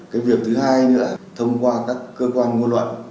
cái việc thứ hai nữa là thông qua các cơ quan ngôn luận